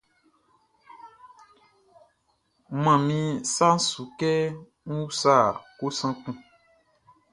N man min sa su kɛ ń úsa kosan kun.